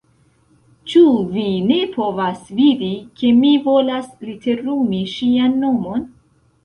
Ĉu vi ne povas vidi, ke mi volas literumi ŝian nomon?